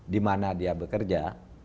di mana dia bekerja